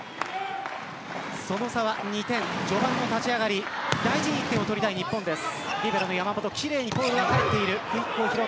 その差は２点、序盤の立ち上がり大事に１点を取りたい日本です。